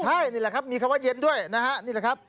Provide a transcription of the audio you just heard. ใช่นี่แหละครับมีคำว่าเย็นด้วยนะฮะ